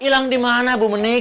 hilang dimana bu menik